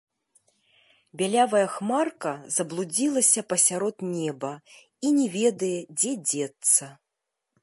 Бялявая хмарка заблудзілася пасярод неба і не ведае, дзе дзецца.